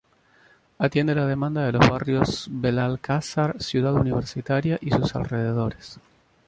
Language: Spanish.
Atiende la demanda de los barrios Belalcázar, Ciudad Universitaria y sus alrededores.